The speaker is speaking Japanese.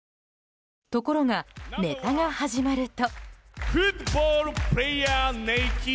ところが、ネタが始まると。